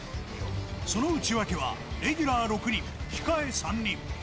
その内訳は、レギュラー６人、控え３人。